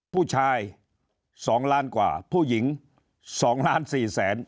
ผู้ชายสองล้านกว่าผู้หญิงสองล้านสี่แสน